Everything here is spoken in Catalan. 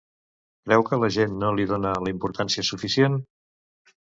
Creu que la gent no li dona la importància suficient?